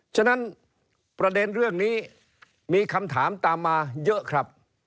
ฉะนั้นประเด็นเรื่องนี้มีคำถามตามมาเยอะครับ